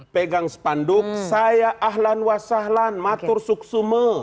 pegang spanduk saya ahlan wa sahlan matur suksume